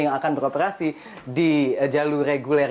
yang akan beroperasi di jalur reguler